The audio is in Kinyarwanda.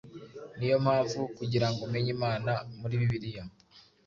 niyo mpamvu kugirango umenye Imana muri Bibiliya,